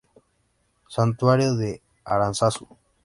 Santuario de Aránzazu.